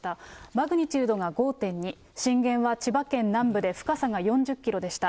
マグニチュードが５．２、震源は千葉県南部で深さが４０キロでした。